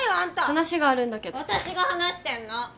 話があるんだけど私が話してんの！